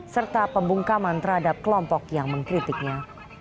serta pembungkaman terhadap kelompok yang mengkritiknya